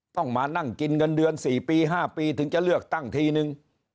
ต้องมานั่งกินเงินเดือน๔ปี๕ปีถึงจะเลือกตั้งทีนึง